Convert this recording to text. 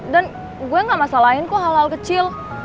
dan gue gak masalahin kok hal hal kecil